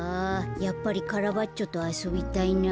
やっぱりカラバッチョとあそびたいな。